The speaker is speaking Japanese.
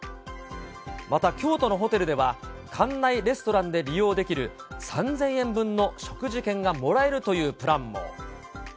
また京都のホテルでは、館内レストランで利用できる３０００円分の食事券がもらえるというプランも。